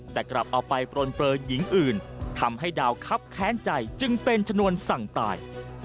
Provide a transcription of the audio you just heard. แต่กลับเอาไปปลนเปลือหญิงอื่นทำให้ดาวคับแค้นใจจึงเป็นชนวนสั่งตาย